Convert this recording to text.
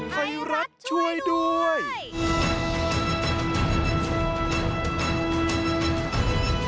ให้รักช่วยด้วย